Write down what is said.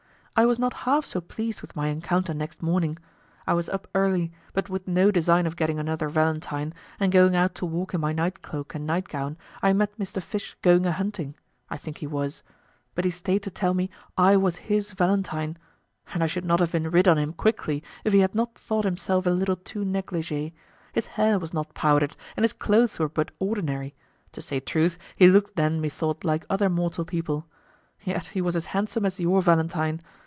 I was not half so pleased with my encounter next morning. I was up early, but with no design of getting another Valentine, and going out to walk in my night cloak and night gown, I met Mr. Fish going a hunting, I think he was; but he stayed to tell me I was his Valentine; and I should not have been rid on him quickly, if he had not thought himself a little too negligée; his hair was not powdered, and his clothes were but ordinary; to say truth, he looked then methought like other mortal people. Yet he was as handsome as your Valentine.